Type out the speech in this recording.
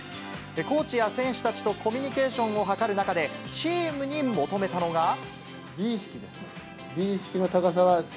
コーチや選手たちとコミュニケーションを図る中で、チームに求め美意識です。